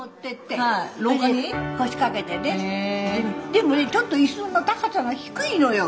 でもねちょっと椅子の高さが低いのよ。